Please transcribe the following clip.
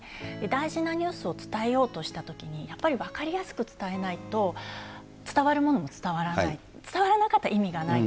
大事なニュースを伝えようとしたときに、やっぱり分かりやすく伝えないと、伝わるものも伝わらない、伝わらなかったら意味がない。